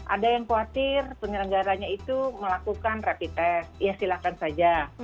ada yang khawatir penyelenggaranya itu melakukan rapid test ya silakan saja